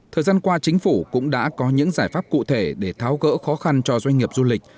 thời gian qua chính phủ cũng đã có những giải pháp cụ thể để tháo gỡ khó khăn cho doanh nghiệp du lịch